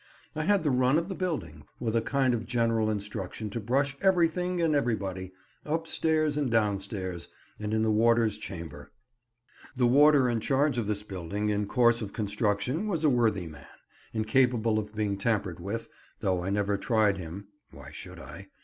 I had the run of the building, with a kind of general instruction to brush everything and everybody, up stairs and down stairs, and in the warder's chamber. The warder in charge of this building in course of construction, was a worthy man, incapable of being tampered with, though I never tried him (why should I?)